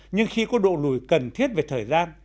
nhưng khi có độ lùi cần thiết về thời gian